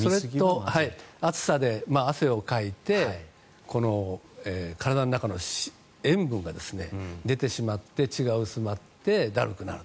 暑さで汗をかいてこの体の中の塩分が出てしまって血が薄まってだるくなる。